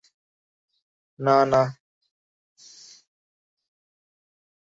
না, না।